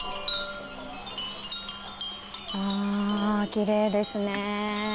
きれいですね。